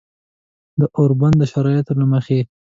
د اوربند د شرایطو له مخې